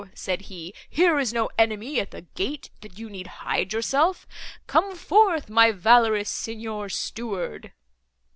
said he, 'here is no enemy at the gate, that you need hide yourself: come forth, my valorous Signor Steward!